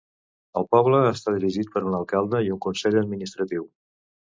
El poble està dirigit per un alcalde i un consell administratiu.